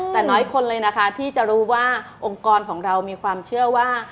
แต่น้อยคนเลยนะคะที่จะรู้ว่าองค์กรของเรามีความเชื่อว่า